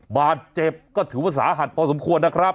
บาดเจ็บก็ถือว่าสาหัสพอสมควรนะครับ